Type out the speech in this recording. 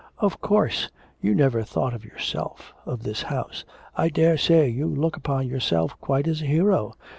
'Of course you never thought of yourself of this house; I daresay you look upon yourself quite as a hero.